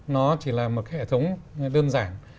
nó chỉ là một hệ thống đơn giản